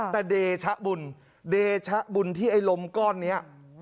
แต่เดชะบุญที่ไอ้ลมก้อนนี้